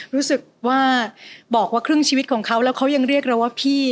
รู้สึกว่าบอกว่าครึ่งชีวิตของเขาแล้วเขายังเรียกเราว่าพี่